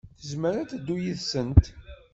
Tezmer ad teddu yid-sent.